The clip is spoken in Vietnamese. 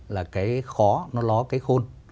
là cái khó nó ló cái khôn